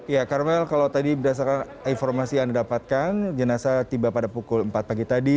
ya karmel kalau tadi berdasarkan informasi yang didapatkan jenazah tiba pada pukul empat pagi tadi